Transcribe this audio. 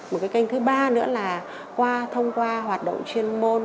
một cái kênh thứ ba nữa là qua thông qua hoạt động chuyên môn